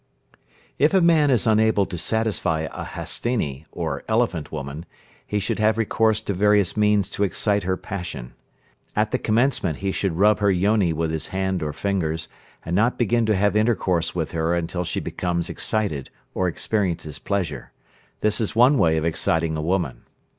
If a man is unable to satisfy a Hastini, or elephant woman, he should have recourse to various means to excite her passion. At the commencement he should rub her yoni with his hand or fingers, and not begin to have intercourse with her until she becomes excited, or experiences pleasure. This is one way of exciting a woman.